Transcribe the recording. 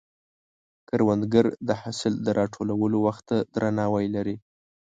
کروندګر د حاصل د راټولولو وخت ته درناوی لري